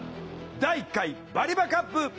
第１回バリバカップ。